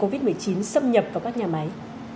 covid một mươi chín xâm nhập vào các nhà máy